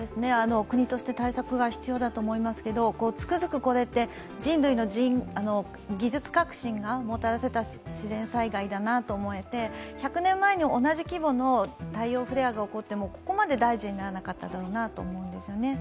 国として対策が必要だと思いますけどつくづくこれって人類の技術革新がもたらした自然災害だなと思えて１００年前に同じ規模の太陽フレアが起こってもここまで大事にならなかたかなと思うんですね。